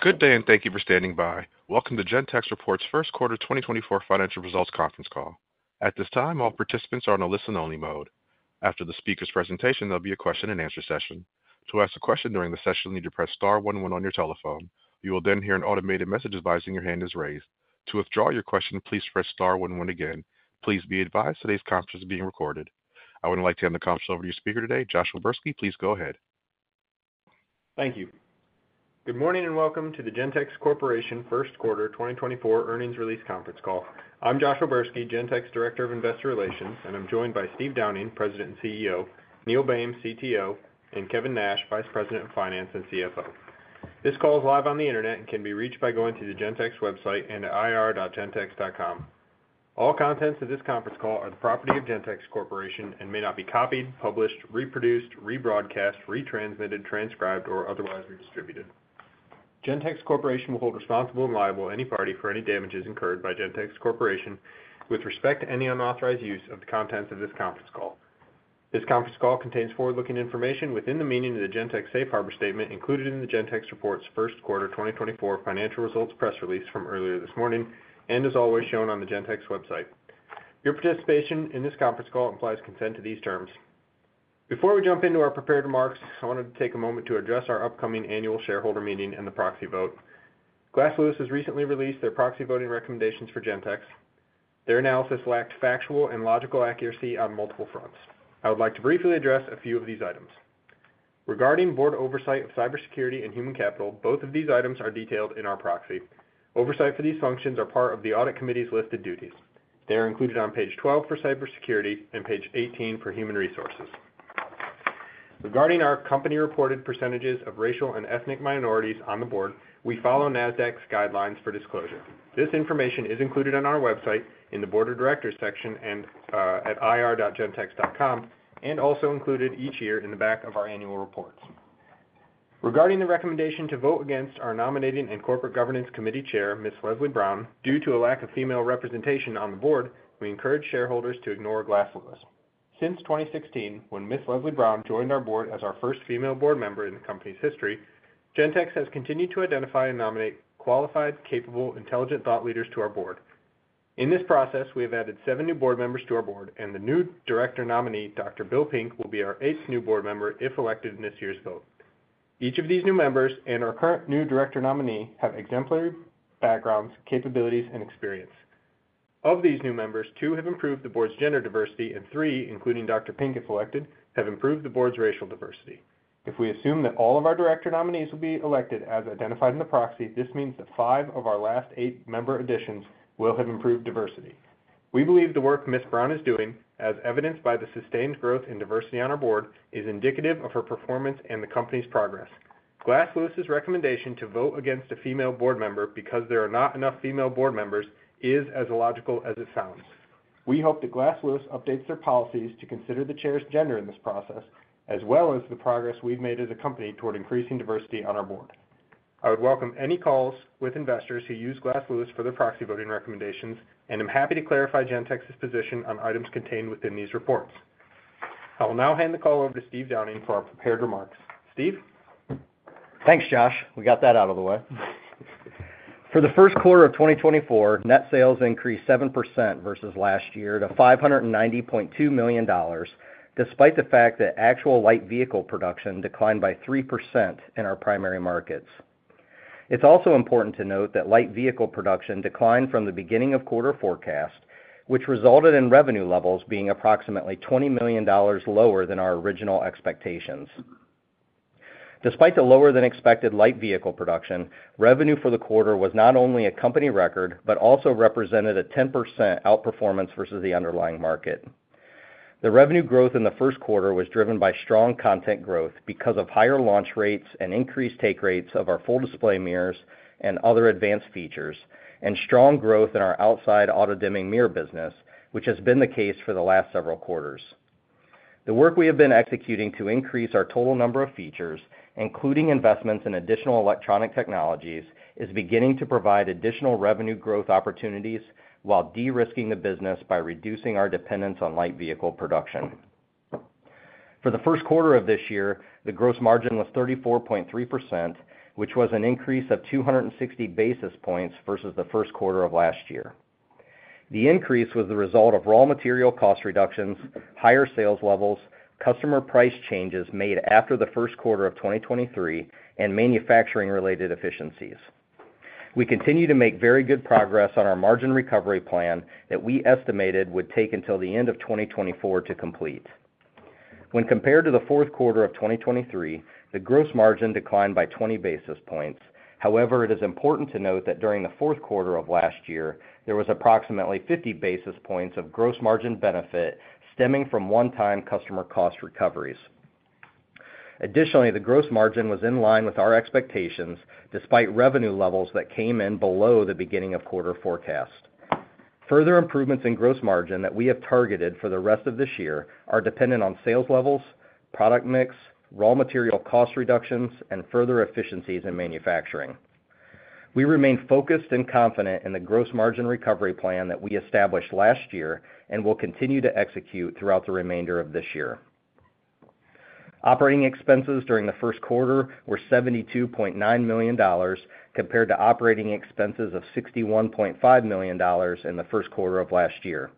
Good day and thank you for standing by. Welcome to Gentex Corporation's first quarter 2024 financial results conference call. At this time, all participants are on a listen-only mode. After the speaker's presentation, there'll be a question-and-answer session. To ask a question during the session, you need to press star one one on your telephone. You will then hear an automated message advising your hand is raised. To withdraw your question, please press star one one again. Please be advised today's conference is being recorded. I would like to hand the conference over to your speaker today, Josh O'Berski. Please go ahead. Thank you. Good morning and welcome to the Gentex Corporation First Quarter 2024 Earnings Release Conference Call. I'm Josh O'Berski, Gentex Director of Investor Relations, and I'm joined by Steve Downing, President and CEO, Neil Boehm, CTO, and Kevin Nash, Vice President of Finance and CFO. This call is live on the internet and can be reached by going to the Gentex website and to ir.gentex.com. All contents of this conference call are the property of Gentex Corporation and may not be copied, published, reproduced, rebroadcast, retransmitted, transcribed, or otherwise redistributed. Gentex Corporation will hold responsible and liable any party for any damages incurred by Gentex Corporation with respect to any unauthorized use of the contents of this conference call. This conference call contains forward-looking information within the meaning of the Gentex Safe Harbor Statement included in the Gentex's first quarter 2024 financial results press release from earlier this morning and is always shown on the Gentex website. Your participation in this conference call implies consent to these terms. Before we jump into our prepared remarks, I wanted to take a moment to address our upcoming annual shareholder meeting and the proxy vote. Glass Lewis has recently released their proxy voting recommendations for Gentex. Their analysis lacked factual and logical accuracy on multiple fronts. I would like to briefly address a few of these items. Regarding board oversight of cybersecurity and human capital, both of these items are detailed in our proxy. Oversight for these functions is part of the audit committee's listed duties. They are included on page 12 for cybersecurity and page 18 for human resources. Regarding our company-reported percentages of racial and ethnic minorities on the board, we follow Nasdaq's guidelines for disclosure. This information is included on our website in the Board of Directors section and at ir.gentex.com and also included each year in the back of our annual reports. Regarding the recommendation to vote against our Nominating and Corporate Governance Committee chair, Ms. Leslie Brown, due to a lack of female representation on the board, we encourage shareholders to ignore Glass Lewis. Since 2016, when Ms. Leslie Brown joined our board as our first female board member in the company's history, Gentex has continued to identify and nominate qualified, capable, intelligent thought leaders to our board. In this process, we have added seven new board members to our board, and the new director nominee, Dr. Bill Pink, will be our eighth new board member if elected in this year's vote. Each of these new members and our current new director nominee have exemplary backgrounds, capabilities, and experience. Of these new members, two have improved the board's gender diversity, and three, including Dr. Pink if elected, have improved the board's racial diversity. If we assume that all of our director nominees will be elected as identified in the proxy, this means that five of our last eight member additions will have improved diversity. We believe the work Ms. Brown is doing, as evidenced by the sustained growth in diversity on our board, is indicative of her performance and the company's progress. Glass Lewis' recommendation to vote against a female board member because there are not enough female board members is as illogical as it sounds. We hope that Glass Lewis updates their policies to consider the Chair's gender in this process, as well as the progress we've made as a company toward increasing diversity on our board. I would welcome any calls with investors who use Glass Lewis for their proxy voting recommendations, and I'm happy to clarify Gentex's position on items contained within these reports. I will now hand the call over to Steve Downing for our prepared remarks. Steve? Thanks, Josh. We got that out of the way. For the first quarter of 2024, net sales increased 7% versus last year to $590.2 million, despite the fact that actual light vehicle production declined by 3% in our primary markets. It's also important to note that light vehicle production declined from the beginning of quarter forecast, which resulted in revenue levels being approximately $20 million lower than our original expectations. Despite the lower-than-expected light vehicle production, revenue for the quarter was not only a company record but also represented a 10% outperformance versus the underlying market. The revenue growth in the first quarter was driven by strong content growth because of higher launch rates and increased take rates of our Full Display Mirrors and other advanced features, and strong growth in our outside auto-dimming mirror business, which has been the case for the last several quarters. The work we have been executing to increase our total number of features, including investments in additional electronic technologies, is beginning to provide additional revenue growth opportunities while de-risking the business by reducing our dependence on light vehicle production. For the first quarter of this year, the gross margin was 34.3%, which was an increase of 260 basis points versus the first quarter of last year. The increase was the result of raw material cost reductions, higher sales levels, customer price changes made after the first quarter of 2023, and manufacturing-related efficiencies. We continue to make very good progress on our margin recovery plan that we estimated would take until the end of 2024 to complete. When compared to the fourth quarter of 2023, the gross margin declined by 20 basis points. However, it is important to note that during the fourth quarter of last year, there was approximately 50 basis points of gross margin benefit stemming from one-time customer cost recoveries. Additionally, the gross margin was in line with our expectations despite revenue levels that came in below the beginning of quarter forecast. Further improvements in gross margin that we have targeted for the rest of this year are dependent on sales levels, product mix, raw material cost reductions, and further efficiencies in manufacturing. We remain focused and confident in the gross margin recovery plan that we established last year and will continue to execute throughout the remainder of this year. Operating expenses during the first quarter were $72.9 million compared to operating expenses of $61.5 million in the first quarter of last year.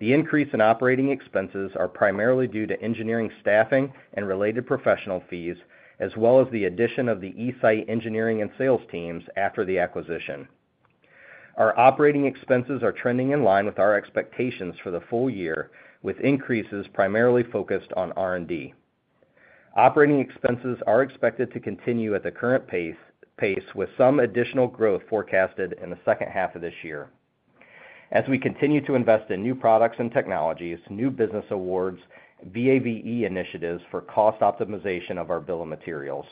The increase in operating expenses is primarily due to engineering staffing and related professional fees, as well as the addition of the eSight engineering and sales teams after the acquisition. Our operating expenses are trending in line with our expectations for the full year, with increases primarily focused on R&D. Operating expenses are expected to continue at the current pace, with some additional growth forecasted in the second half of this year. As we continue to invest in new products and technologies, new business awards, and VAVE initiatives for cost optimization of our Bill of Materials.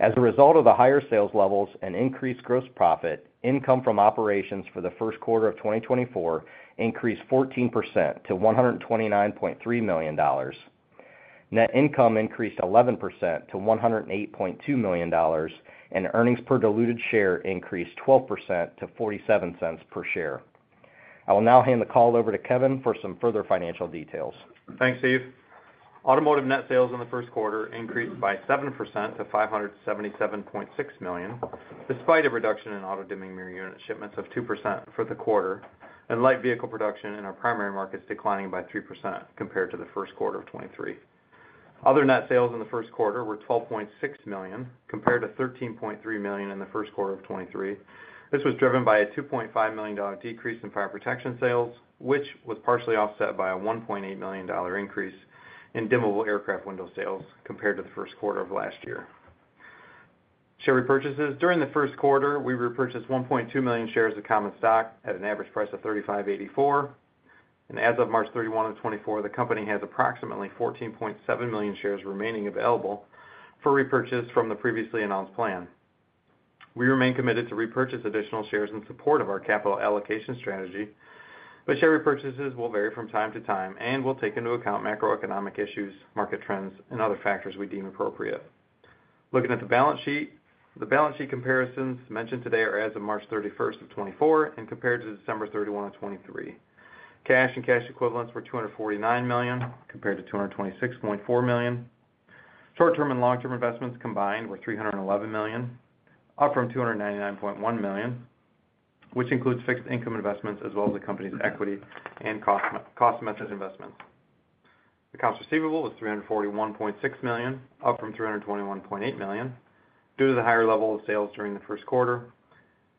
As a result of the higher sales levels and increased gross profit, income from operations for the first quarter of 2024 increased 14% to $129.3 million. Net income increased 11% to $108.2 million, and earnings per diluted share increased 12% to $0.47 per share. I will now hand the call over to Kevin for some further financial details. Thanks, Steve. Automotive net sales in the first quarter increased by 7% to $577.6 million, despite a reduction in auto-dimming mirror unit shipments of 2% for the quarter and light vehicle production in our primary markets declining by 3% compared to the first quarter of 2023. Other net sales in the first quarter were $12.6 million compared to $13.3 million in the first quarter of 2023. This was driven by a $2.5 million decrease in fire protection sales, which was partially offset by a $1.8 million increase in dimmable aircraft window sales compared to the first quarter of last year. Share repurchases: during the first quarter, we repurchased 1.2 million shares of common stock at an average price of $35.84. As of March 31, 2024, the company has approximately 14.7 million shares remaining available for repurchase from the previously announced plan. We remain committed to repurchase additional shares in support of our capital allocation strategy, but share repurchases will vary from time to time and will take into account macroeconomic issues, market trends, and other factors we deem appropriate. Looking at the balance sheet, the balance sheet comparisons mentioned today are as of March 31, 2024 and compared to December 31, 2023. Cash and cash equivalents were $249 million compared to $226.4 million. Short-term and long-term investments combined were $311 million, up from $299.1 million, which includes fixed income investments as well as the company's equity and cost method investments. Accounts receivable was $341.6 million, up from $321.8 million. Due to the higher level of sales during the first quarter,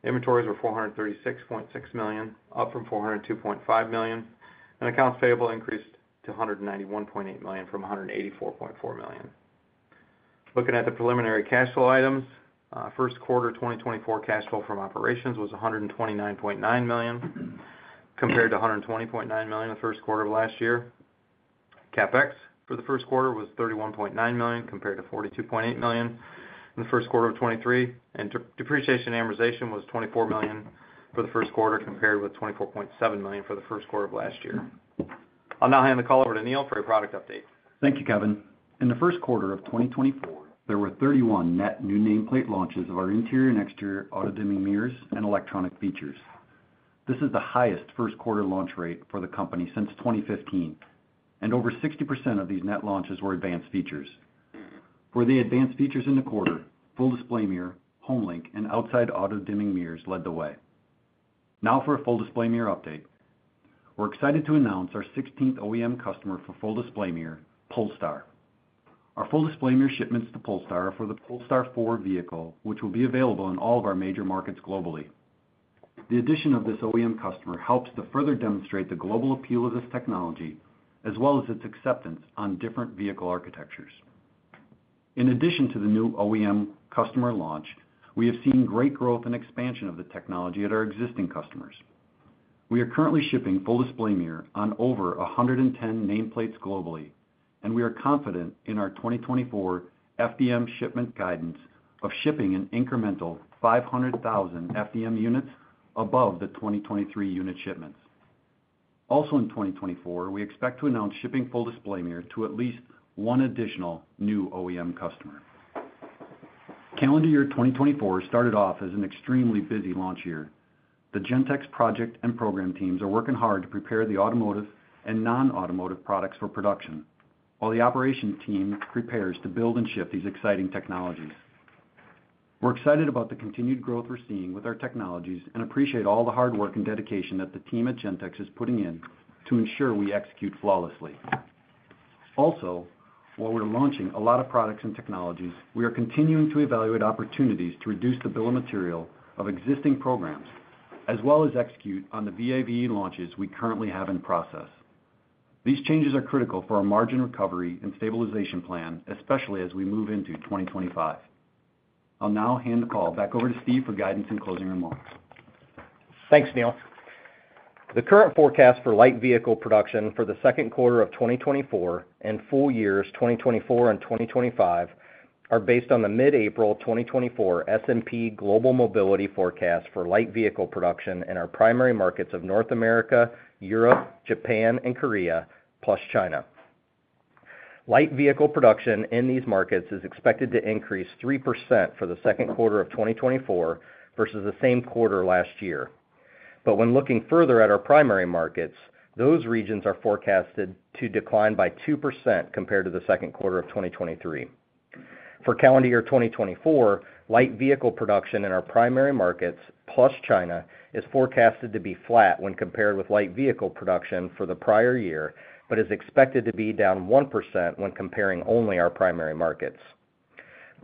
inventories were $436.6 million, up from $402.5 million, and accounts payable increased to $191.8 million from $184.4 million. Looking at the preliminary cash flow items, first quarter 2024 cash flow from operations was $129.9 million compared to $120.9 million in the first quarter of last year. CapEx for the first quarter was $31.9 million compared to $42.8 million in the first quarter of 2023, and depreciation and amortization was $24 million for the first quarter compared with $24.7 million for the first quarter of last year. I'll now hand the call over to Neil for a product update. Thank you, Kevin. In the first quarter of 2024, there were 31 net new nameplate launches of our interior and exterior auto-dimming mirrors and electronic features. This is the highest first-quarter launch rate for the company since 2015, and over 60% of these net launches were advanced features. For the advanced features in the quarter, Full Display Mirror, HomeLink, and outside auto-dimming mirrors led the way. Now for a Full Display Mirror update, we're excited to announce our 16th OEM customer for Full Display Mirror, Polestar. Our Full Display Mirror shipments to Polestar are for the Polestar 4 vehicle, which will be available in all of our major markets globally. The addition of this OEM customer helps to further demonstrate the global appeal of this technology as well as its acceptance on different vehicle architectures. In addition to the new OEM customer launch, we have seen great growth and expansion of the technology at our existing customers. We are currently shipping Full Display Mirror on over 110 nameplates globally, and we are confident in our 2024 FDM shipment guidance of shipping an incremental 500,000 FDM units above the 2023 unit shipments. Also in 2024, we expect to announce shipping Full Display Mirror to at least one additional new OEM customer. Calendar year 2024 started off as an extremely busy launch year. The Gentex project and program teams are working hard to prepare the automotive and non-automotive products for production, while the operations team prepares to build and ship these exciting technologies. We're excited about the continued growth we're seeing with our technologies and appreciate all the hard work and dedication that the team at Gentex is putting in to ensure we execute flawlessly. Also, while we're launching a lot of products and technologies, we are continuing to evaluate opportunities to reduce the Bill of Material of existing programs as well as execute on the VAVE launches we currently have in process. These changes are critical for our margin recovery and stabilization plan, especially as we move into 2025. I'll now hand the call back over to Steve for guidance and closing remarks. Thanks, Neil. The current forecast for light vehicle production for the second quarter of 2024 and full years 2024 and 2025 are based on the mid-April 2024 S&P Global Mobility forecast for light vehicle production in our primary markets of North America, Europe, Japan, and Korea, plus China. Light vehicle production in these markets is expected to increase 3% for the second quarter of 2024 versus the same quarter last year. But when looking further at our primary markets, those regions are forecasted to decline by 2% compared to the second quarter of 2023. For calendar year 2024, light vehicle production in our primary markets, plus China, is forecasted to be flat when compared with light vehicle production for the prior year but is expected to be down 1% when comparing only our primary markets.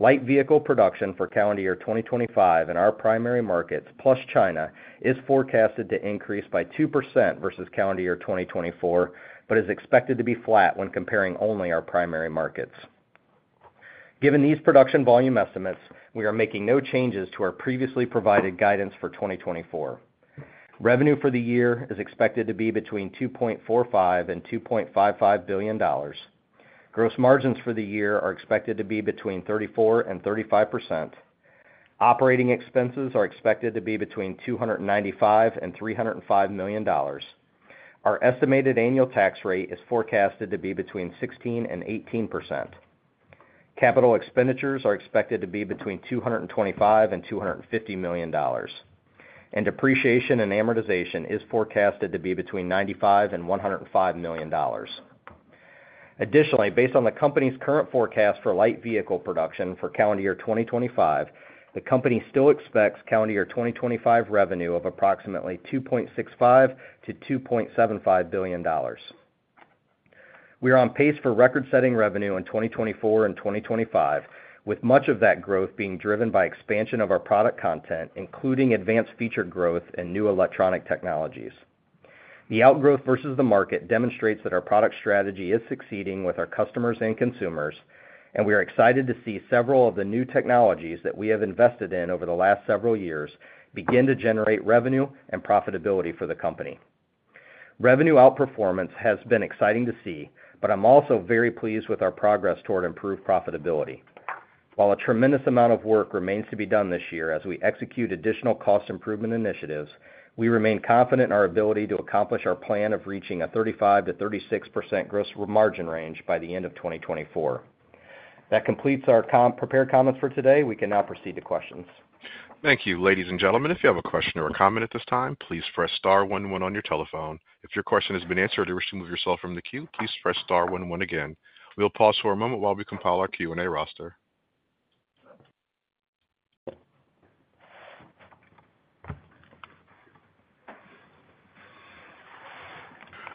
Light vehicle production for calendar year 2025 in our primary markets, plus China, is forecasted to increase by 2% versus calendar year 2024 but is expected to be flat when comparing only our primary markets. Given these production volume estimates, we are making no changes to our previously provided guidance for 2024. Revenue for the year is expected to be between $2.45-$2.55 billion. Gross margins for the year are expected to be between 34%-35%. Operating expenses are expected to be between $295-$305 million. Our estimated annual tax rate is forecasted to be between 16%-18%. Capital expenditures are expected to be between $225-$250 million, and depreciation and amortization is forecasted to be between $95-$105 million. Additionally, based on the company's current forecast for light vehicle production for calendar year 2025, the company still expects calendar year 2025 revenue of approximately $2.65-$2.75 billion. We are on pace for record-setting revenue in 2024 and 2025, with much of that growth being driven by expansion of our product content, including advanced feature growth and new electronic technologies. The outgrowth versus the market demonstrates that our product strategy is succeeding with our customers and consumers, and we are excited to see several of the new technologies that we have invested in over the last several years begin to generate revenue and profitability for the company. Revenue outperformance has been exciting to see, but I'm also very pleased with our progress toward improved profitability. While a tremendous amount of work remains to be done this year as we execute additional cost improvement initiatives, we remain confident in our ability to accomplish our plan of reaching a 35%-36% gross margin range by the end of 2024. That completes our prepared comments for today. We can now proceed to questions. Thank you. Ladies and gentlemen, if you have a question or a comment at this time, please press star one one on your telephone. If your question has been answered or you wish to move yourself from the queue, please press star one one again. We'll pause for a moment while we compile our Q&A roster.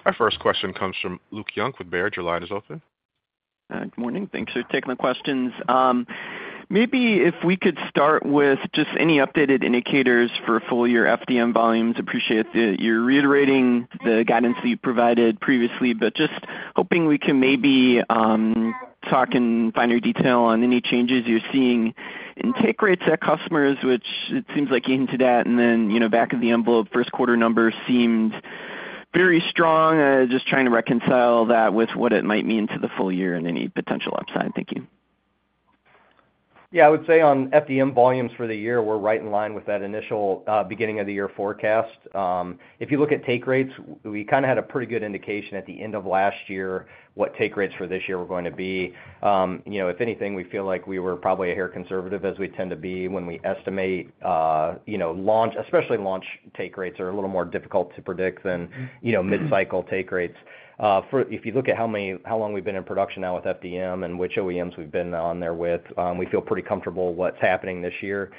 Our first question comes from Luke Junk with Baird. Your line is open. Good morning. Thanks for taking the questions. Maybe if we could start with just any updated indicators for full-year FDM volumes. Appreciate you reiterating the guidance that you provided previously, but just hoping we can maybe talk in finer detail on any changes you're seeing in take rates at customers, which it seems like you hinted at. And then back of the envelope, first-quarter numbers seemed very strong. Just trying to reconcile that with what it might mean to the full year and any potential upside. Thank you. Yeah. I would say on FDM volumes for the year, we're right in line with that initial beginning of the year forecast. If you look at take rates, we kind of had a pretty good indication at the end of last year what take rates for this year were going to be. If anything, we feel like we were probably a hair conservative as we tend to be when we estimate launch. Especially launch take rates are a little more difficult to predict than mid-cycle take rates. If you look at how long we've been in production now with FDM and which OEMs we've been on there with, we feel pretty comfortable with what's happening this year.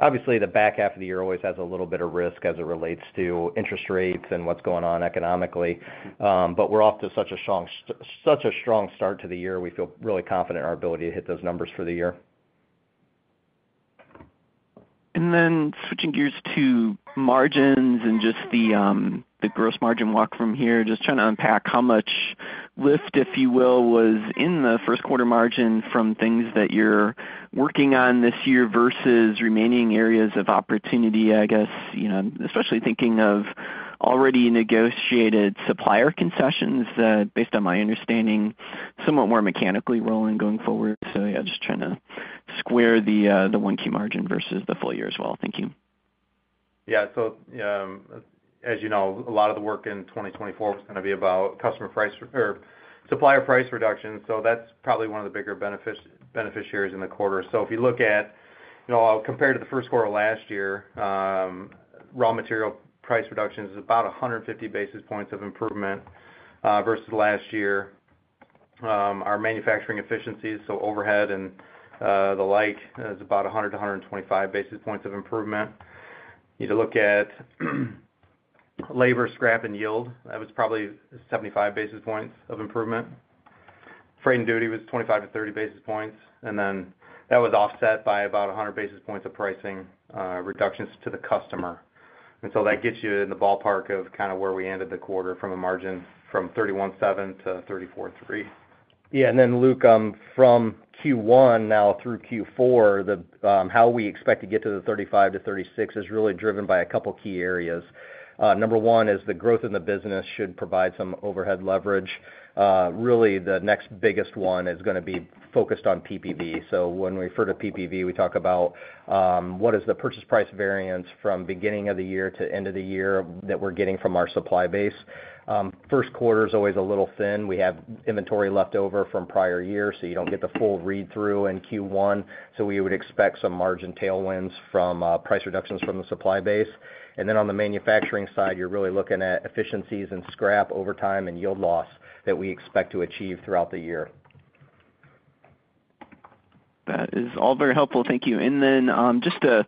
Obviously, the back half of the year always has a little bit of risk as it relates to interest rates and what's going on economically. But we're off to such a strong start to the year, we feel really confident in our ability to hit those numbers for the year. Then switching gears to margins and just the gross margin walk from here, just trying to unpack how much lift, if you will, was in the first-quarter margin from things that you're working on this year versus remaining areas of opportunity, I guess, especially thinking of already negotiated supplier concessions that, based on my understanding, somewhat more mechanically roll in going forward. So yeah, just trying to square the Q1 margin versus the full year as well. Thank you. Yeah. So as you know, a lot of the work in 2024 was going to be about customer price or supplier price reductions. So that's probably one of the bigger beneficiaries in the quarter. So if you look at compared to the first quarter last year, raw material price reductions is about 150 basis points of improvement versus last year. Our manufacturing efficiencies, so overhead and the like, is about 100-125 basis points of improvement. You look at labor, scrap, and yield, that was probably 75 basis points of improvement. Freight and duty was 25-30 basis points. And then that was offset by about 100 basis points of pricing reductions to the customer. And so that gets you in the ballpark of kind of where we ended the quarter from a margin from 31.7% to 34.3%. Yeah. And then, Luke, from Q1 now through Q4, how we expect to get to the 35%-36% is really driven by a couple of key areas. Number one is the growth in the business should provide some overhead leverage. Really, the next biggest one is going to be focused on PPV. So when we refer to PPV, we talk about what is the purchase price variance from beginning of the year to end of the year that we're getting from our supply base. First quarter is always a little thin. We have inventory left over from prior years, so you don't get the full read-through in Q1. So we would expect some margin tailwinds from price reductions from the supply base. And then on the manufacturing side, you're really looking at efficiencies in scrap over time and yield loss that we expect to achieve throughout the year. That is all very helpful. Thank you. Then just a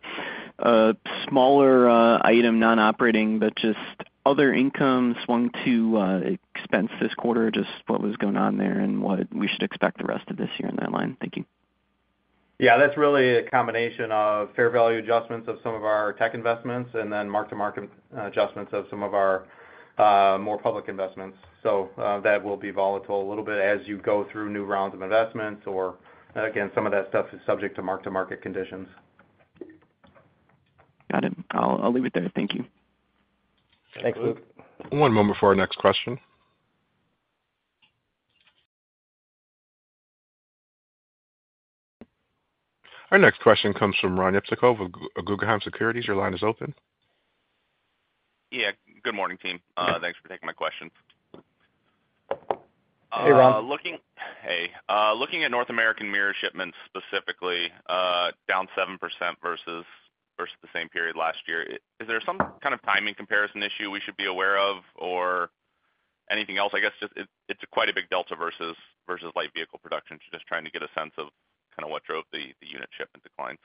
smaller item, non-operating, but just other income swung to expense this quarter, just what was going on there and what we should expect the rest of this year in that line. Thank you. Yeah. That's really a combination of fair value adjustments of some of our tech investments and then mark-to-market adjustments of some of our more public investments. So that will be volatile a little bit as you go through new rounds of investments. Or again, some of that stuff is subject to mark-to-market conditions. Got it. I'll leave it there. Thank you. Thanks, Luke. One moment for our next question. Our next question comes from Ron Jewsikow with Guggenheim Securities. Your line is open. Yeah. Good morning, team. Thanks for taking my question. Hey, Ron. Hey. Looking at North American mirror shipments specifically, down 7% versus the same period last year. Is there some kind of timing comparison issue we should be aware of or anything else? I guess it's quite a big delta versus light vehicle production, just trying to get a sense of kind of what drove the unit shipment declines.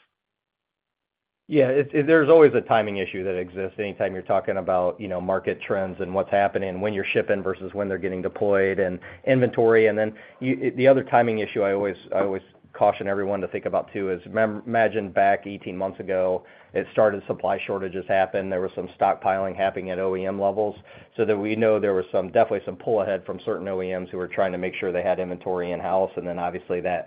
Yeah. There's always a timing issue that exists anytime you're talking about market trends and what's happening when you're shipping versus when they're getting deployed and inventory. And then the other timing issue I always caution everyone to think about too is imagine back 18 months ago, it started, supply shortages happened. There was some stockpiling happening at OEM levels so that we know there was definitely some pull ahead from certain OEMs who were trying to make sure they had inventory in-house. And then obviously, that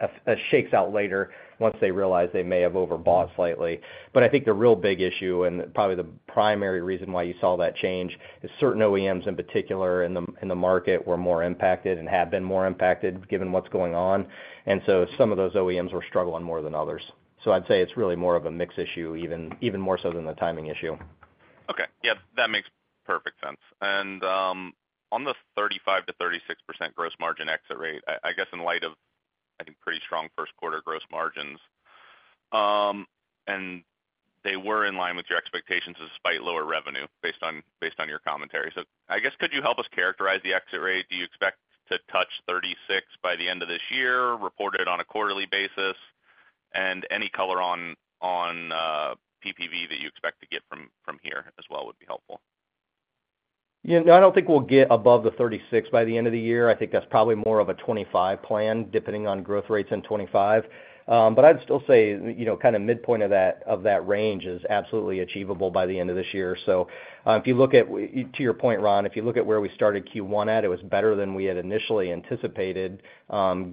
shakes out later once they realize they may have overbought slightly. But I think the real big issue and probably the primary reason why you saw that change is certain OEMs in particular in the market were more impacted and have been more impacted given what's going on. And so some of those OEMs were struggling more than others. I'd say it's really more of a mix issue, even more so than the timing issue. Okay. Yeah. That makes perfect sense. On the 35%-36% gross margin exit rate, I guess in light of, I think, pretty strong first-quarter gross margins, and they were in line with your expectations despite lower revenue based on your commentary. I guess, could you help us characterize the exit rate? Do you expect to touch 36% by the end of this year, reported on a quarterly basis? Any color on PPV that you expect to get from here as well would be helpful. Yeah. No, I don't think we'll get above the 36 by the end of the year. I think that's probably more of a 25 plan, depending on growth rates in 2025. But I'd still say kind of midpoint of that range is absolutely achievable by the end of this year. So if you look at to your point, Ron, if you look at where we started Q1 at, it was better than we had initially anticipated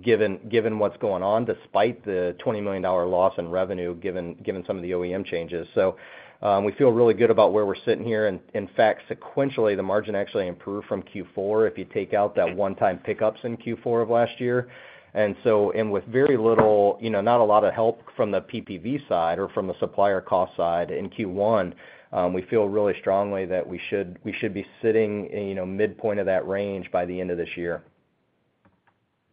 given what's going on despite the $20 million loss in revenue given some of the OEM changes. So we feel really good about where we're sitting here. In fact, sequentially, the margin actually improved from Q4 if you take out that one-time pickups in Q4 of last year. With very little, not a lot of help from the PPV side or from the supplier cost side in Q1, we feel really strongly that we should be sitting midpoint of that range by the end of this year.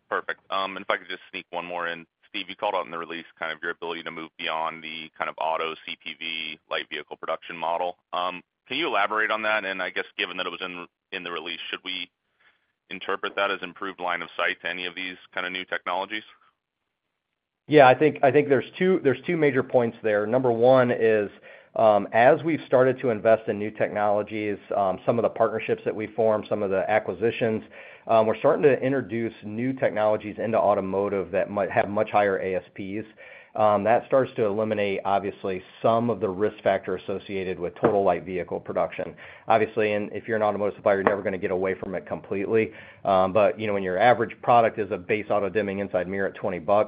Perfect. If I could just sneak one more in, Steve, you called out in the release kind of your ability to move beyond the kind of auto CPV light vehicle production model. Can you elaborate on that? I guess, given that it was in the release, should we interpret that as improved line of sight to any of these kind of new technologies? Yeah. I think there's two major points there. Number one is, as we've started to invest in new technologies, some of the partnerships that we formed, some of the acquisitions, we're starting to introduce new technologies into automotive that have much higher ASPs. That starts to eliminate, obviously, some of the risk factor associated with total light vehicle production. Obviously, and if you're an automotive supplier, you're never going to get away from it completely. But when your average product is a base auto-dimming inside mirror at $20,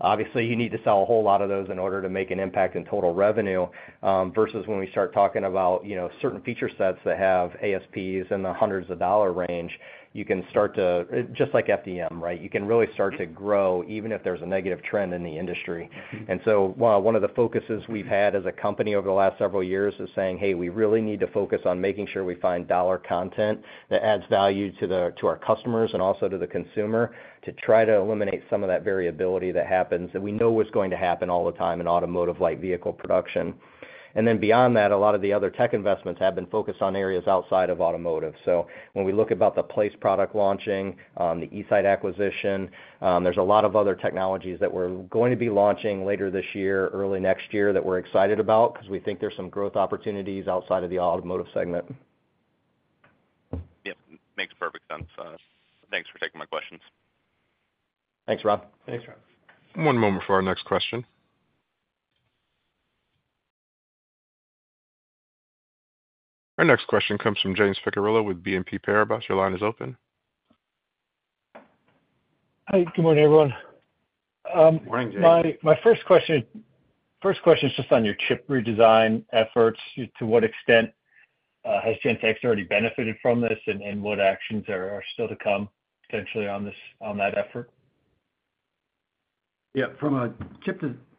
obviously, you need to sell a whole lot of those in order to make an impact in total revenue versus when we start talking about certain feature sets that have ASPs in the hundreds of dollar range, you can start to just like FDM, right? You can really start to grow even if there's a negative trend in the industry. And so one of the focuses we've had as a company over the last several years is saying, "Hey, we really need to focus on making sure we find dollar content that adds value to our customers and also to the consumer to try to eliminate some of that variability that happens." And we know what's going to happen all the time in automotive light vehicle production. And then beyond that, a lot of the other tech investments have been focused on areas outside of automotive. So when we look about the latest product launching, the eSight acquisition, there's a lot of other technologies that we're going to be launching later this year, early next year that we're excited about because we think there's some growth opportunities outside of the automotive segment. Yep. Makes perfect sense. Thanks for taking my questions. Thanks, Ron. One moment for our next question. Our next question comes from James Picariello with BNP Paribas. Your line is open. Hi. Good morning, everyone. Morning, James. My first question is just on your chip redesign efforts. To what extent has Gentex already benefited from this, and what actions are still to come potentially on that effort? Yeah.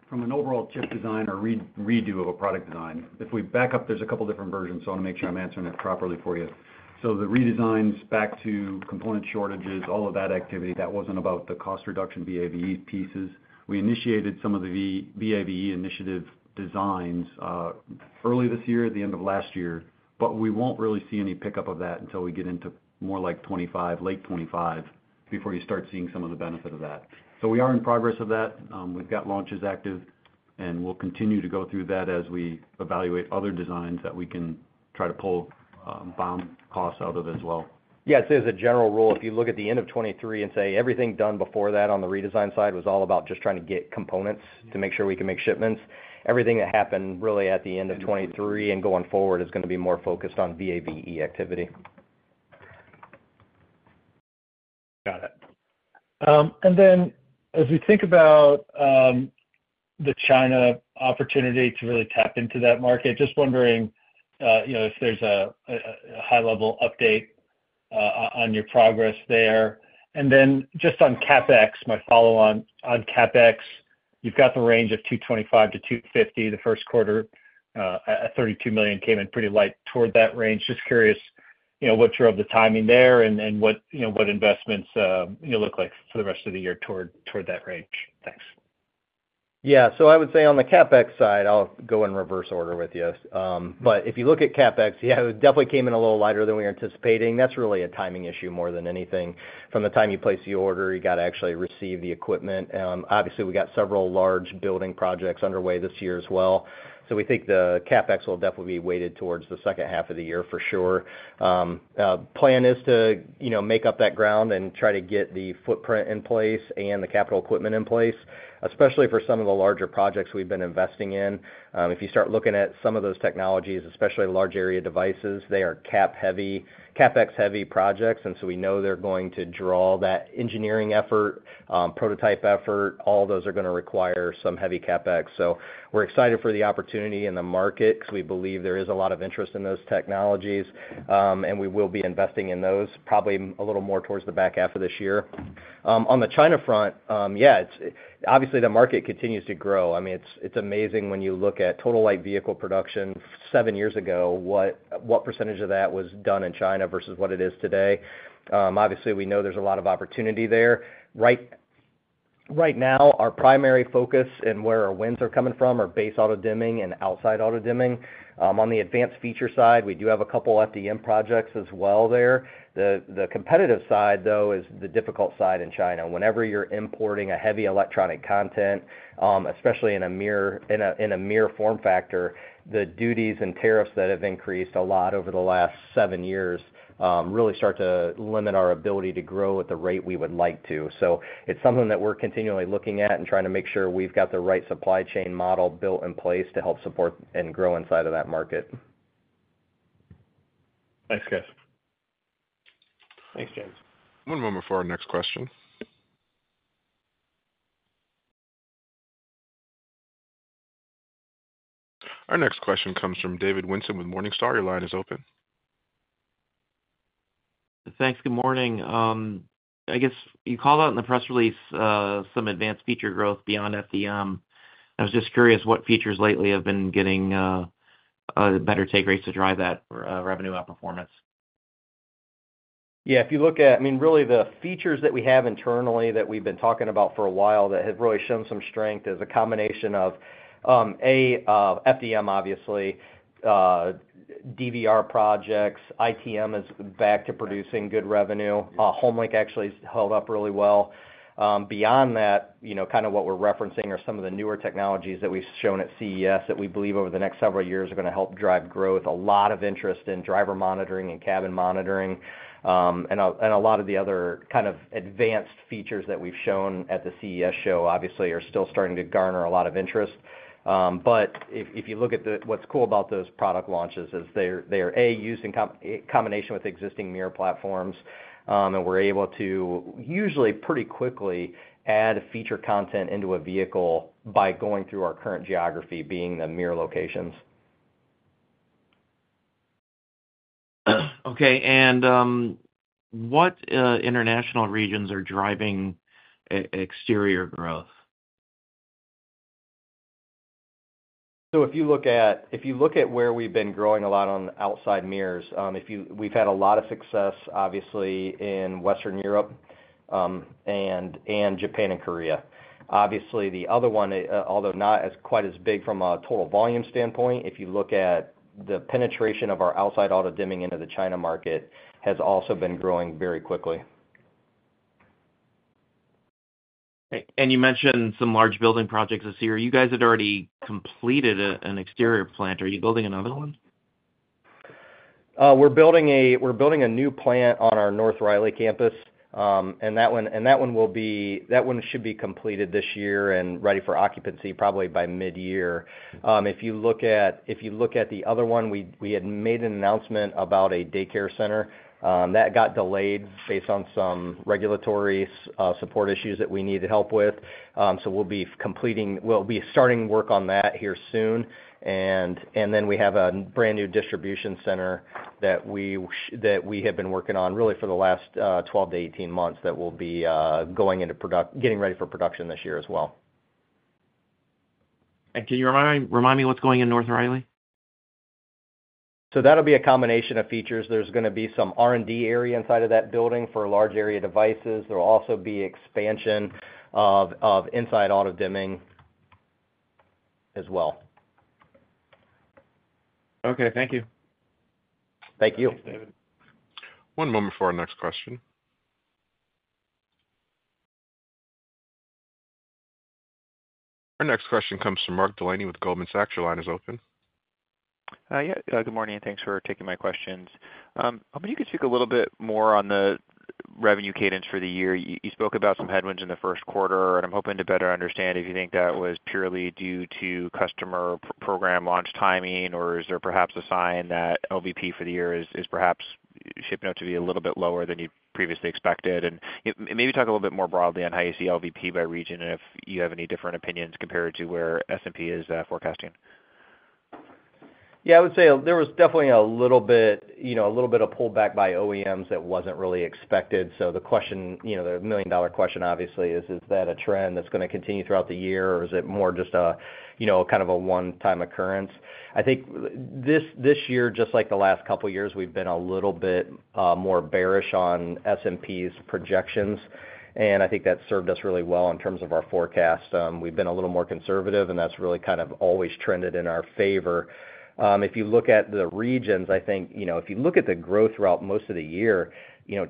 From an overall chip design or redo of a product design, if we back up, there's a couple of different versions. So I want to make sure I'm answering that properly for you. So the redesigns back to component shortages, all of that activity, that wasn't about the cost reduction VAVE pieces. We initiated some of the VAVE initiative designs early this year, at the end of last year. But we won't really see any pickup of that until we get into more like 2025, late 2025, before you start seeing some of the benefit of that. So we are in progress of that. We've got launches active, and we'll continue to go through that as we evaluate other designs that we can try to pull-down costs out of as well. Yeah. So as a general rule, if you look at the end of 2023 and say everything done before that on the redesign side was all about just trying to get components to make sure we can make shipments, everything that happened really at the end of 2023 and going forward is going to be more focused on VAVE activity. Got it. Then as we think about the China opportunity to really tap into that market, just wondering if there's a high-level update on your progress there. Then just on CapEx, my follow-on, on CapEx, you've got the range of $225 million-$250 million the first quarter. At $32 million, came in pretty light toward that range. Just curious what drove the timing there and what investments look like for the rest of the year toward that range. Thanks. Yeah. So I would say on the CapEx side, I'll go in reverse order with you. But if you look at CapEx, yeah, it definitely came in a little lighter than we were anticipating. That's really a timing issue more than anything. From the time you place your order, you got to actually receive the equipment. Obviously, we got several large building projects underway this year as well. So we think the CapEx will definitely be weighted towards the second half of the year for sure. Plan is to make up that ground and try to get the footprint in place and the capital equipment in place, especially for some of the larger projects we've been investing in. If you start looking at some of those technologies, especially large-area devices, they are CapEx-heavy projects. And so we know they're going to draw that engineering effort, prototype effort. All of those are going to require some heavy CapEx. So we're excited for the opportunity in the market because we believe there is a lot of interest in those technologies. And we will be investing in those probably a little more towards the back half of this year. On the China front, yeah, obviously, the market continues to grow. I mean, it's amazing when you look at total light vehicle production seven years ago, what percentage of that was done in China versus what it is today. Obviously, we know there's a lot of opportunity there. Right now, our primary focus and where our wins are coming from are base auto dimming and outside auto dimming. On the advanced feature side, we do have a couple of FDM projects as well there. The competitive side, though, is the difficult side in China. Whenever you're importing a heavy electronic content, especially in a mirror form factor, the duties and tariffs that have increased a lot over the last seven years really start to limit our ability to grow at the rate we would like to. So it's something that we're continually looking at and trying to make sure we've got the right supply chain model built in place to help support and grow inside of that market. Thanks, guys. Thanks, James. One moment for our next question. Our next question comes from David Whiston with Morningstar. Your line is open. Thanks. Good morning. I guess you called out in the press release some advanced feature growth beyond FDM. I was just curious what features lately have been getting better take rates to drive that revenue outperformance. Yeah. If you look at, I mean, really the features that we have internally that we've been talking about for a while that have really shown some strength is a combination of, FDM, obviously, DVR projects. ITM is back to producing good revenue. HomeLink actually has held up really well. Beyond that, kind of what we're referencing are some of the newer technologies that we've shown at CES that we believe over the next several years are going to help drive growth. A lot of interest in driver monitoring and cabin monitoring. And a lot of the other kind of advanced features that we've shown at the CES show, obviously, are still starting to garner a lot of interest. But if you look at what's cool about those product launches is they are, A, used in combination with existing mirror platforms. We're able to usually pretty quickly add feature content into a vehicle by going through our current geography, being the mirror locations. Okay. What international regions are driving exterior growth? So if you look at where we've been growing a lot on outside mirrors, we've had a lot of success, obviously, in Western Europe and Japan and Korea. Obviously, the other one, although not quite as big from a total volume standpoint, if you look at the penetration of our outside auto-dimming into the China market, has also been growing very quickly. Okay. You mentioned some large building projects this year. You guys had already completed an exterior plant. Are you building another one? We're building a new plant on our North Riley Campus. That one should be completed this year and ready for occupancy probably by mid-year. If you look at the other one, we had made an announcement about a daycare center. That got delayed based on some regulatory support issues that we needed help with. So we'll be starting work on that here soon. And then we have a brand new distribution center that we have been working on really for the last 12-18 months that will be getting ready for production this year as well. Can you remind me what's going in North Riley? That'll be a combination of features. There's going to be some R&D area inside of that building for large-area devices. There'll also be expansion of inside auto-dimming as well. Okay. Thank you. Thank you. One moment for our next question. Our next question comes from Mark Delaney with Goldman Sachs. Your line is open. Yeah. Good morning. Thanks for taking my questions. I hope you could speak a little bit more on the revenue cadence for the year. You spoke about some headwinds in the first quarter. I'm hoping to better understand if you think that was purely due to customer program launch timing, or is there perhaps a sign that LVP for the year is perhaps shaping up to be a little bit lower than you previously expected? Maybe talk a little bit more broadly on how you see LVP by region and if you have any different opinions compared to where S&P is forecasting. Yeah. I would say there was definitely a little bit a little bit of pullback by OEMs that wasn't really expected. So the question, the million-dollar question, obviously, is, is that a trend that's going to continue throughout the year, or is it more just a kind of a one-time occurrence? I think this year, just like the last couple of years, we've been a little bit more bearish on S&P's projections. And I think that served us really well in terms of our forecast. We've been a little more conservative, and that's really kind of always trended in our favor. If you look at the regions, I think if you look at the growth throughout most of the year,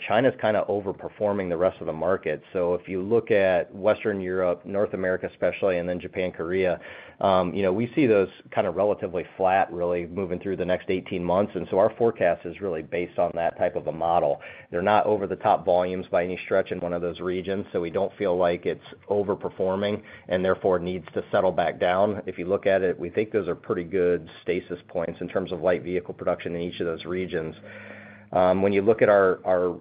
China's kind of overperforming the rest of the market. So if you look at Western Europe, North America especially, and then Japan, Korea, we see those kind of relatively flat really moving through the next 18 months. And so our forecast is really based on that type of a model. They're not over-the-top volumes by any stretch in one of those regions. So we don't feel like it's overperforming and therefore needs to settle back down. If you look at it, we think those are pretty good stasis points in terms of light vehicle production in each of those regions. When you look at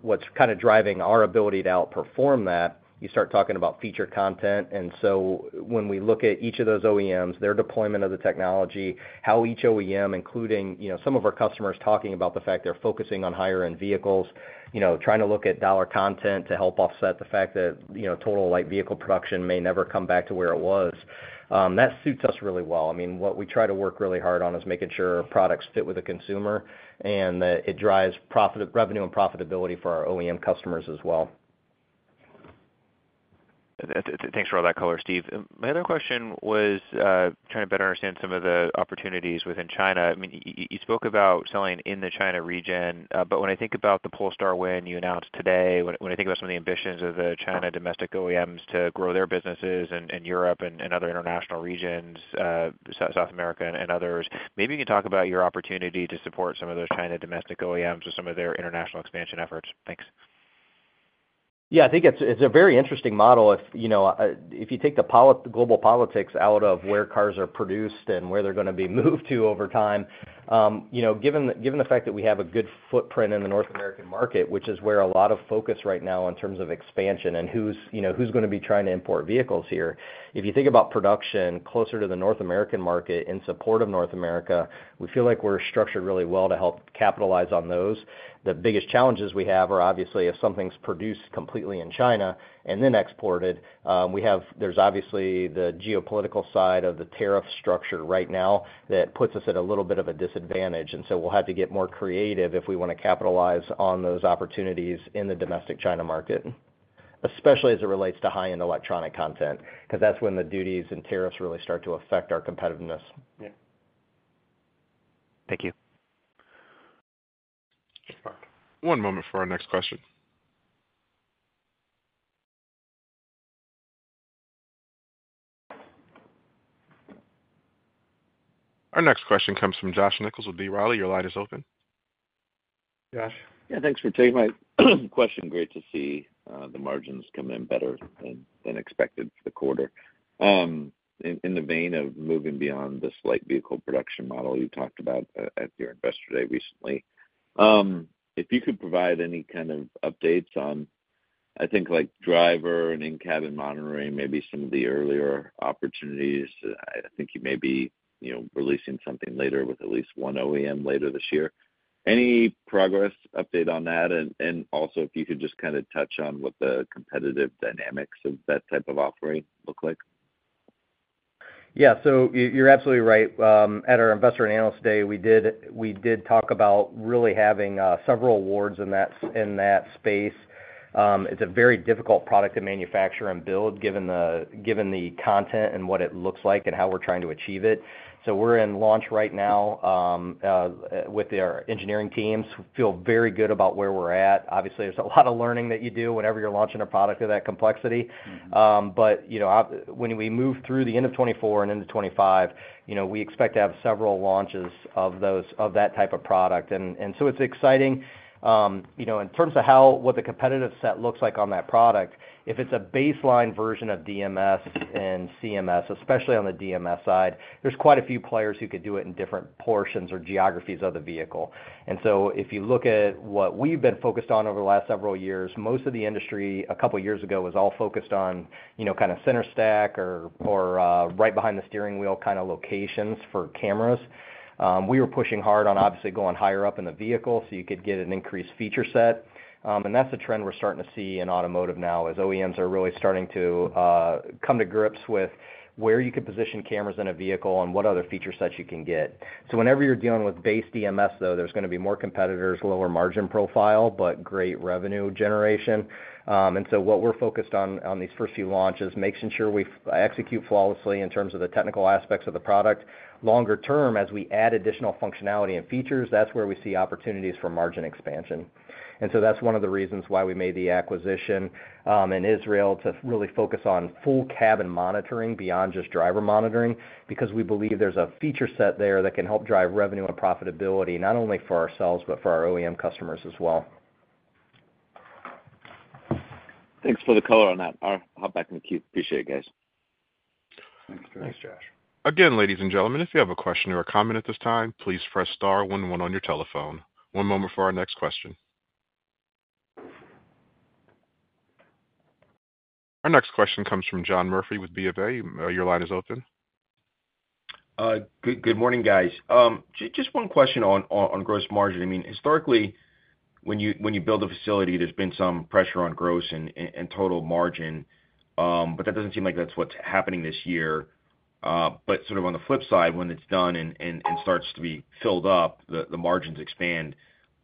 what's kind of driving our ability to outperform that, you start talking about feature content. And so when we look at each of those OEMs, their deployment of the technology, how each OEM, including some of our customers talking about the fact they're focusing on higher-end vehicles, trying to look at dollar content to help offset the fact that total light vehicle production may never come back to where it was, that suits us really well. I mean, what we try to work really hard on is making sure products fit with the consumer and that it drives revenue and profitability for our OEM customers as well. Thanks for all that color, Steve. My other question was trying to better understand some of the opportunities within China. I mean, you spoke about selling in the China region. But when I think about the Polestar win you announced today, when I think about some of the ambitions of the China domestic OEMs to grow their businesses in Europe and other international regions, South America and others, maybe you can talk about your opportunity to support some of those China domestic OEMs with some of their international expansion efforts. Thanks. Yeah. I think it's a very interesting model. If you take the global politics out of where cars are produced and where they're going to be moved to over time, given the fact that we have a good footprint in the North American market, which is where a lot of focus right now in terms of expansion and who's going to be trying to import vehicles here, if you think about production closer to the North American market in support of North America, we feel like we're structured really well to help capitalize on those. The biggest challenges we have are obviously if something's produced completely in China and then exported, there's obviously the geopolitical side of the tariff structure right now that puts us at a little bit of a disadvantage. And so we'll have to get more creative if we want to capitalize on those opportunities in the domestic China market, especially as it relates to high-end electronic content because that's when the duties and tariffs really start to affect our competitiveness. Yeah. Thank you. Thanks, Mark. One moment for our next question. Our next question comes from Josh Nichols with B. Riley. Your line is open. Josh. Yeah. Thanks for taking my question. Great to see the margins come in better than expected for the quarter. In the vein of moving beyond this light vehicle production model you talked about at your investor day recently, if you could provide any kind of updates on, I think, driver and in-cabin monitoring, maybe some of the earlier opportunities. I think you may be releasing something later with at least one OEM later this year. Any progress update on that? And also, if you could just kind of touch on what the competitive dynamics of that type of offering look like. Yeah. So you're absolutely right. At our investor analysis day, we did talk about really having several awards in that space. It's a very difficult product to manufacture and build given the content and what it looks like and how we're trying to achieve it. So we're in launch right now with our engineering teams. Feel very good about where we're at. Obviously, there's a lot of learning that you do whenever you're launching a product of that complexity. But when we move through the end of 2024 and into 2025, we expect to have several launches of that type of product. And so it's exciting. In terms of what the competitive set looks like on that product, if it's a baseline version of DMS and CMS, especially on the DMS side, there's quite a few players who could do it in different portions or geographies of the vehicle. And so if you look at what we've been focused on over the last several years, most of the industry a couple of years ago was all focused on kind of center stack or right behind the steering wheel kind of locations for cameras. We were pushing hard on obviously going higher up in the vehicle so you could get an increased feature set. And that's a trend we're starting to see in automotive now as OEMs are really starting to come to grips with where you could position cameras in a vehicle and what other feature sets you can get. So whenever you're dealing with base DMS, though, there's going to be more competitors, lower margin profile, but great revenue generation. And so what we're focused on these first few launches is making sure we execute flawlessly in terms of the technical aspects of the product. Longer term, as we add additional functionality and features, that's where we see opportunities for margin expansion. That's one of the reasons why we made the acquisition in Israel to really focus on full cabin monitoring beyond just driver monitoring because we believe there's a feature set there that can help drive revenue and profitability not only for ourselves but for our OEM customers as well. Thanks for the color on that. I'll hop back in the queue. Appreciate it, guys. Thanks, Josh. Again, ladies and gentlemen, if you have a question or a comment at this time, please press star one one on your telephone. One moment for our next question. Our next question comes from John Murphy with BofA. Your line is open. Good morning, guys. Just one question on gross margin. I mean, historically, when you build a facility, there's been some pressure on gross and total margin. But that doesn't seem like that's what's happening this year. But sort of on the flip side, when it's done and starts to be filled up, the margins expand.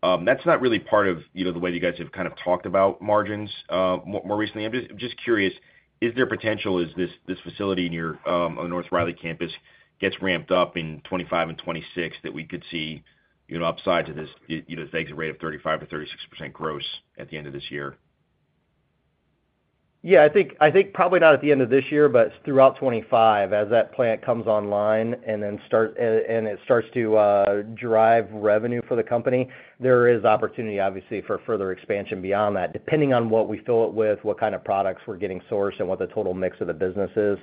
That's not really part of the way you guys have kind of talked about margins more recently. I'm just curious, is there potential as this facility on North Riley Campus gets ramped up in 2025 and 2026 that we could see upside to this thing's a rate of 35%-36% gross at the end of this year? Yeah. I think probably not at the end of this year, but throughout 2025, as that plant comes online and it starts to drive revenue for the company, there is opportunity, obviously, for further expansion beyond that depending on what we fill it with, what kind of products we're getting sourced, and what the total mix of the business is.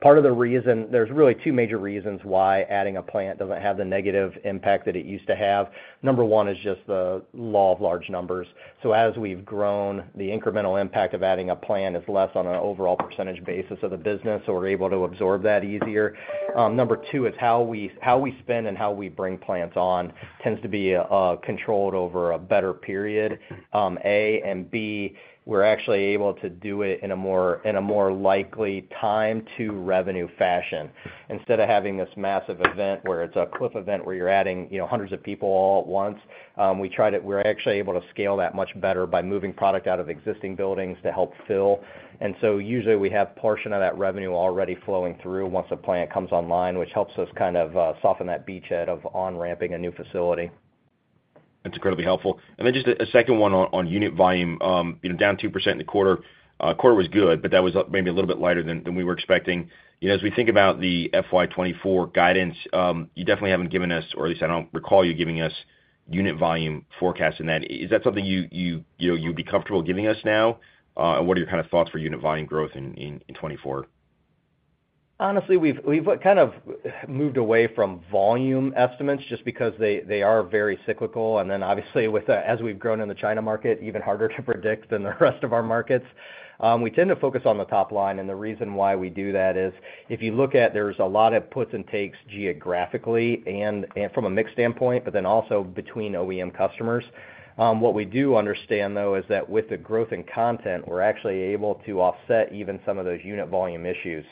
Part of the reason there's really two major reasons why adding a plant doesn't have the negative impact that it used to have. Number 1 is just the law of large numbers. So as we've grown, the incremental impact of adding a plant is less on an overall percentage basis of the business, so we're able to absorb that easier. Number 2 is how we spend and how we bring plants on tends to be controlled over a better period, A, and B, we're actually able to do it in a more likely time-to-revenue fashion. Instead of having this massive event where it's a cliff event where you're adding hundreds of people all at once, we're actually able to scale that much better by moving product out of existing buildings to help fill. And so usually, we have portion of that revenue already flowing through once a plant comes online, which helps us kind of soften that beachhead of on-ramping a new facility. That's incredibly helpful. Then just a second one on unit volume, down 2% in the quarter. Quarter was good, but that was maybe a little bit lighter than we were expecting. As we think about the FY 2024 guidance, you definitely haven't given us, or at least I don't recall you giving us unit volume forecast in that. Is that something you'd be comfortable giving us now? And what are your kind of thoughts for unit volume growth in 2024? Honestly, we've kind of moved away from volume estimates just because they are very cyclical. Then obviously, as we've grown in the China market, even harder to predict than the rest of our markets. We tend to focus on the top line. The reason why we do that is if you look at, there's a lot of puts and takes geographically and from a mixed standpoint, but then also between OEM customers. What we do understand, though, is that with the growth in content, we're actually able to offset even some of those unit volume issues.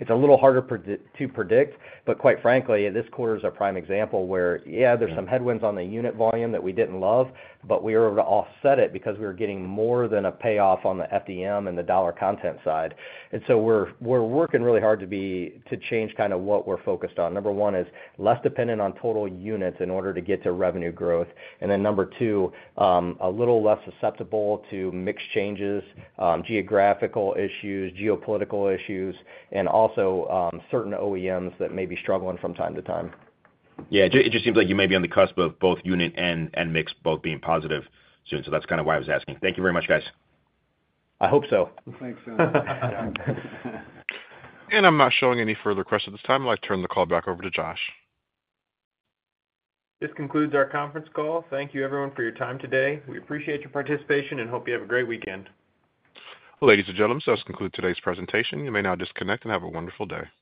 It's a little harder to predict. Quite frankly, this quarter is a prime example where, yeah, there's some headwinds on the unit volume that we didn't love, but we were able to offset it because we were getting more than a payoff on the FDM and the dollar content side. And so we're working really hard to change kind of what we're focused on. Number one is less dependent on total units in order to get to revenue growth. And then number two, a little less susceptible to mixed changes, geographical issues, geopolitical issues, and also certain OEMs that may be struggling from time to time. Yeah. It just seems like you may be on the cusp of both unit and mixed both being positive soon. So that's kind of why I was asking. Thank you very much, guys. I hope so. Thanks, John. I'm not showing any further requests at this time. I'll turn the call back over to Josh. This concludes our conference call. Thank you, everyone, for your time today. We appreciate your participation and hope you have a great weekend. Ladies and gentlemen, so that's concluded today's presentation. You may now disconnect and have a wonderful day.